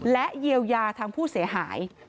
และเยียวยาทางผู้เสียหาย